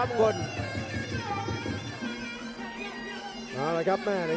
โอ้โหไม่พลาดกับธนาคมโด้แดงเขาสร้างแบบนี้